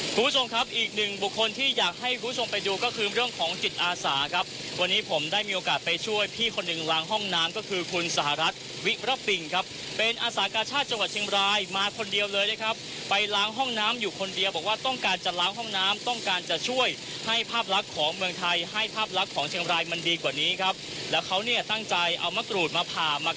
คุณผู้ชมครับอีกหนึ่งบุคคลที่อยากให้คุณผู้ชมไปดูก็คือเรื่องของจิตอาสาครับวันนี้ผมได้มีโอกาสไปช่วยพี่คนหนึ่งล้างห้องน้ำก็คือคุณสหรัฐวิรปิงครับเป็นอสากชาติจังหวัดเชียงรายมาคนเดียวเลยนะครับไปล้างห้องน้ำอยู่คนเดียวบอกว่าต้องการจะล้างห้องน้ำต้องการจะช่วยให้ภาพลักษณ์ของเมืองไทยให้ภ